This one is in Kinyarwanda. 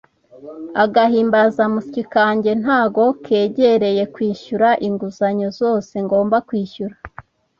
Agahimbazamusyi kanjye ntago kegereye kwishyura inguzanyo zose ngomba kwishyura.